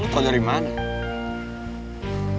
lo tau dari mana